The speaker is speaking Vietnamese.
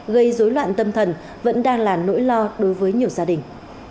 gây dối loạn tâm thần vẫn đang là nỗi lo đối với nhiều gia đình